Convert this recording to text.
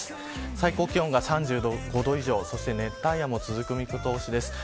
最高気温が３５度以上熱帯夜も続く見込みです。